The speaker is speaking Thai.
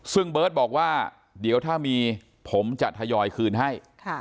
ซึ่งเบิร์ตบอกว่าเดี๋ยวถ้ามีผมจะทยอยคืนให้